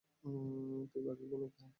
তুই বাকিগুলো খা।